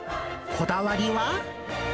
こだわりは。